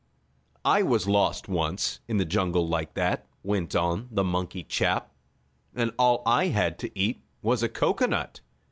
"I was lost once, in the jungle like that," went on the monkey chap, "and all I had to eat was a cocoanut.